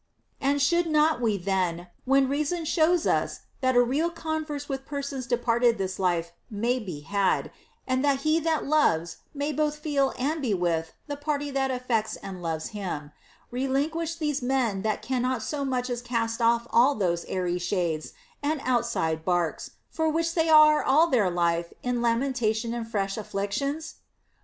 * And should not we then, — when reason shows us that a real converse with persons departed this life may be had, and that he that loves may both feel and be with the party that affects and loves him, — relinquish these men that cannot so much as cast off all those airy shades and outside barks for which they are all their time in lamen tation and fresh afflictions